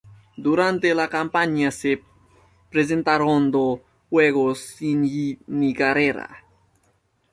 Durante la campaña se presentaron dos juegos sin hit ni carrera.